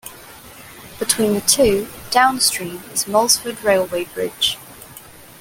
Between the two, downstream is Moulsford Railway Bridge.